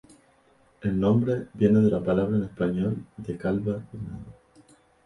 El nombre viene de las palabra en español de "Calva y Nada".